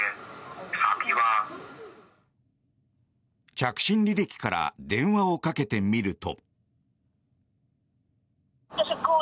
着信履歴から電話をかけてみると。